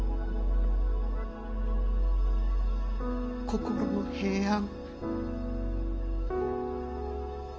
心の平安。